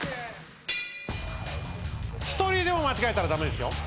１人でも間違えたら駄目ですよ。